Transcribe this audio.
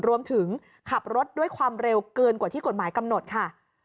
ขับรถด้วยความเร็วเกินกว่าที่กฎหมายกำหนดค่ะ